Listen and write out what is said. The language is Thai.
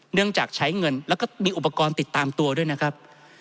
จากใช้เงินแล้วก็มีอุปกรณ์ติดตามตัวด้วยนะครับ